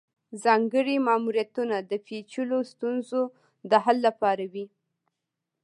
ځانګړي ماموریتونه د پیچلو ستونزو د حل لپاره وي